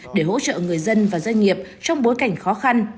để hỗ trợ người dân và doanh nghiệp trong bối cảnh khó khăn